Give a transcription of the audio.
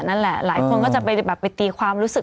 นั่นแหละหลายคนก็จะไปตีความรู้สึก